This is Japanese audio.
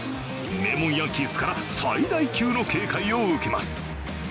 名門ヤンキースから最大級の警戒を受けます。